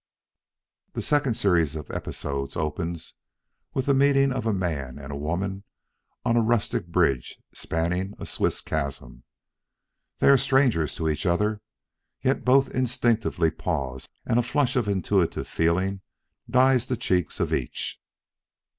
The second series of episodes opens with the meeting of a man and woman on a rustic bridge spanning a Swiss chasm. They are strangers to each other, yet both instinctively pause and a flush of intuitive feeling dyes the cheek of each.